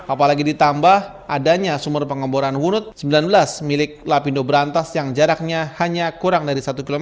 apalagi ditambah adanya sumur pengeboran wurud sembilan belas milik lapindo berantas yang jaraknya hanya kurang dari satu km